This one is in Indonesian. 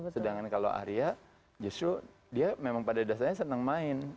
sedangkan kalau arya justru dia memang pada dasarnya senang main